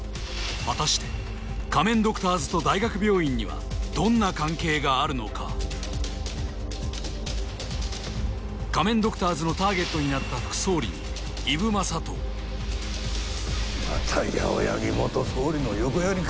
果たして仮面ドクターズと大学病院にはどんな関係があるのか仮面ドクターズのターゲットになった副総理に伊武雅刀また八尾柳元総理の横やりか？